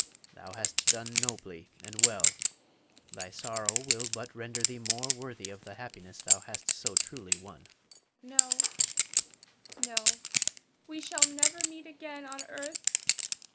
Thou hast done nobly and well; thy sorrow will but render thee more worthy of the happiness thou hast so truly won. Zara. No, no; we shall never meet again on earth.